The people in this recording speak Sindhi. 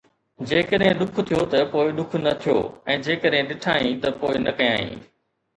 جيڪڏهن ڏک ٿيو ته پوءِ ڏک نه ٿيو ۽ جيڪڏهن ڏٺائين ته پوءِ نه ڪيائين